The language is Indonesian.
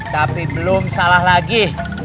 tapi belum salah lagi